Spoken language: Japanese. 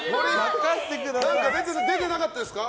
何か出てなかったですか？